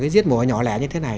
diết mổ nhỏ lẻ như thế này